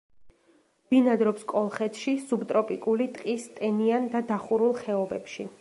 ბინადრობს კოლხეთში, სუბტროპიკული ტყის ტენიან და დახურულ ხეობებში.